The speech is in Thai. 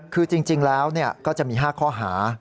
คือจริงแล้วก็จะมี๕ข้อหา